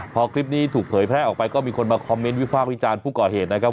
พอคลิปนี้ถูกเผยแพร่ออกไปก็มีคนมาคอมเมนต์วิพากษ์วิจารณ์ผู้ก่อเหตุนะครับ